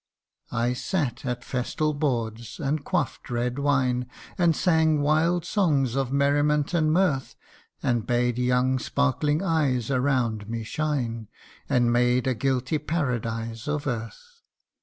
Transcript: CANTO I. I sat at festal boards, and quaff 'd red wine, And sang wild songs of merriment and mirth ; And bade young sparkling eyes around me shine, And made a guilty paradise of earth.